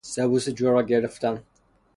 سبوس جو را گرفتن